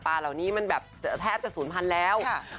ปลาเหล่านี้มันแบบแทบจะศูนย์พันธุ์แล้ว